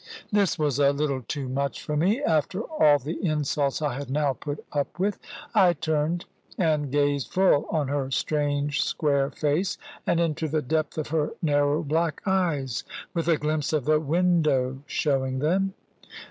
This was a little too much for me, after all the insults I had now put up with. I turned and gazed full on her strange square face, and into the depth of her narrow black eyes, with a glimpse of the window showing them.